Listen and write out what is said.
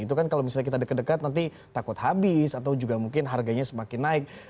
itu kan kalau misalnya kita deket deket nanti takut habis atau juga mungkin harganya semakin naik